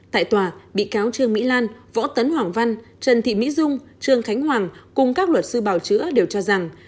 tại tòa bị cáo trương mỹ lan võ tấn hoàng văn trần thị mỹ dung trương khánh hoàng cùng các luật sư bảo chữa đều cho rằng